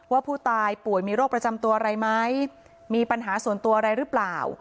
ว่าผู้ตายป่วยมีโรคประจำตัวอะไรไหมมีปัญหาส่วนตัวอะไรหรือเปล่า